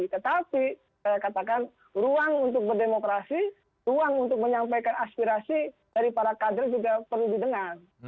tetapi saya katakan ruang untuk berdemokrasi ruang untuk menyampaikan aspirasi dari para kader juga perlu didengar